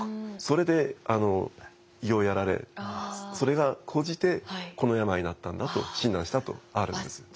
それで胃をやられそれがこうじてこの病になったんだと診断したとあるんです。